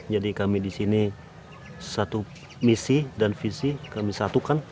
jadi kami di sini satu misi dan visi kami satukan